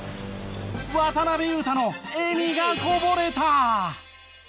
渡邊雄太の笑みがこぼれた。